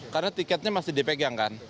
karena tiketnya masih dipegang kan